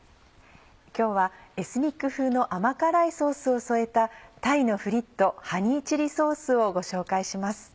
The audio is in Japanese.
今日はエスニック風の甘辛いソースを添えた「鯛のフリットハニーチリソース」をご紹介します。